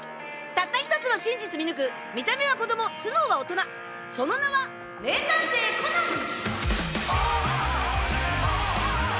たった１つの真実見抜く見た目は子供頭脳は大人その名は名探偵コナン！